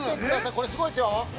これ、すごいですよ。